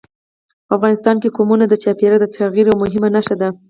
په افغانستان کې قومونه د چاپېریال د تغیر یوه مهمه نښه ده.